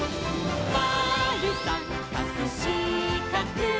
「まるさんかくしかく」